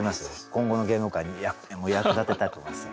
今後の芸能界に役立てたいと思います。